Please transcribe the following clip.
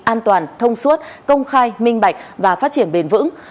an toàn thông suốt công khai minh bạch và phát triển bền vững